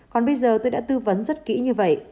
còn bây giờ tôi đã tư vấn rất kỹ như vậy